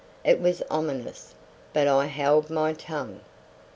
It was ominous, but I held my tongue.